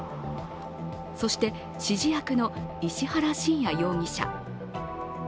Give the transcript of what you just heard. そして、指示役の石原信也容疑者。